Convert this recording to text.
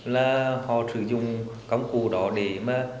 là họ sử dụng công cụ đó để mà